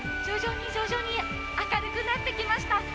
徐々に徐々に、明るくなってきました。